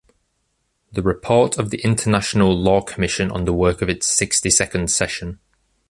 The Report of the International Law Commission on the work of its sixty-second session